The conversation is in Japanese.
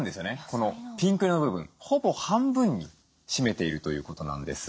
このピンク色の部分ほぼ半分に占めているということなんです。